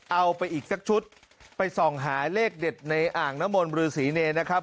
เอาไปอีกสักชุดไปส่องหาเลขเด็ดในอ่างน้ำมนบรือศรีเนรนะครับ